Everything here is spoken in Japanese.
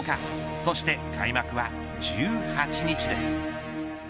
そして開幕は１８日です。